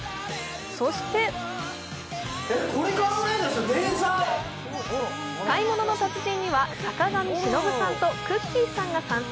そして「買い物の達人」には坂上忍さんとくっきー！さんが参戦。